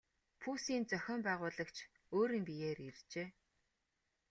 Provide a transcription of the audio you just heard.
Пүүсийн зохион байгуулагч өөрийн биеэр иржээ.